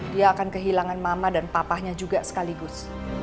dia akan kehilangan mama dan papahnya juga sekaligus